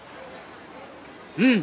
うん！